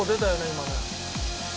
今ね。